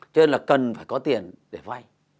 cho nên là cần phải có tiền để vay